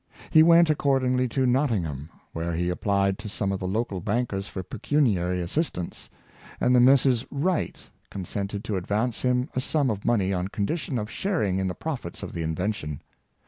He went accordingly to Not tingham, where he applied to some of the local bankers for pecuniary assistance, and the Messrs. Wright con sented to advance him a sum of money on condition of sharing in the profits of the invention.